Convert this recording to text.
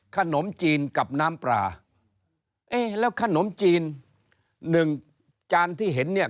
ขนมจีนกับน้ำปลาเอ๊ะแล้วขนมจีนหนึ่งจานที่เห็นเนี่ย